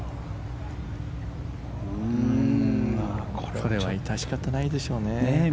これは致し方ないでしょうね。